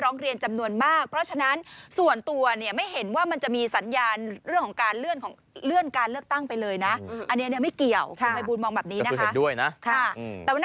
เรียนจำนวนมากเพราะฉะนั้นส่วนตัวเนี่ยไม่เห็นว่ามันจะมีสัญญาณเรื่องของการเลื่อนการเลือกตั้งไปเลยนะอันนี้ไม่เกี่ยวคุณภัยบูลมองแบบนี้นะคะ